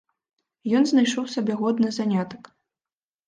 Ён знайшоў сабе годны занятак.